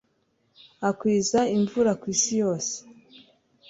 akwiza imvura ku isi yose